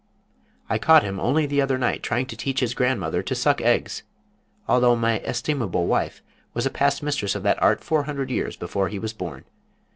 I caught him only the other night trying to teach his grandmother to suck eggs, although my estimable wife was a past mistress of that art four hundred years before he was born.